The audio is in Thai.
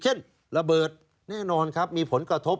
เช่นระเบิดแน่นอนครับมีผลกระทบ